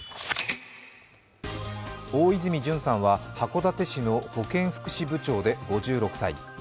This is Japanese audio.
大泉潤さんは函館市の保健福祉部長で５５歳。